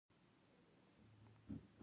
لمر راختلی وو او وړانګې يې کوټې ته راتلې.